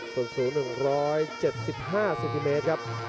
ส่วนสูง๑๗๕เซนติเมตรครับ